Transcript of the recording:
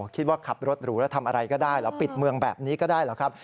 คิดว่าขับรถหรูแล้วทำอะไรก็ได้เหรอปิดเมืองแบบนี้ก็ได้เหรอครับ